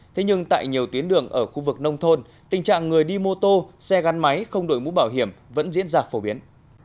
thế nhưng tại nhiều tuyến đường ở khu vực nông thôn tình trạng người đi mô tô xe gắn máy không đổi mũ bảo hiểm vẫn diễn ra phổ biến